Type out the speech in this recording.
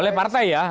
oleh partai ya